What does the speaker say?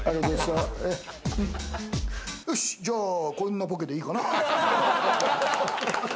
よし、じゃあこんなボケでいいかな。